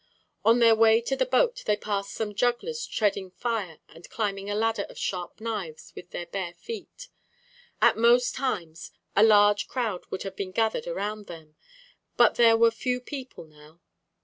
On their way to the boat they passed some jugglers treading fire and climbing a ladder of sharp knives with their bare feet. At most times, a large crowd would have been gathered around them, but there were few people now.